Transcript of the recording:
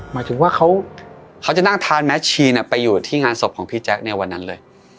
หมายถึงว่าเขาจะนั่งทานแมชชีไปอยู่ที่งานศพของพี่แจ๊คในวันนั้นเลย